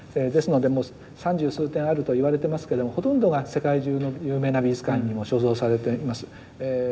ですのでもう三十数点あると言われてますけどほとんどが世界中の有名な美術館にも所蔵されています。